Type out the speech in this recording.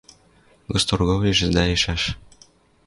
Госторговльыш сдайышаш.